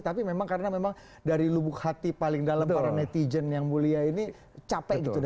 tapi memang karena memang dari lubuk hati paling dalam para netizen yang mulia ini capek gitu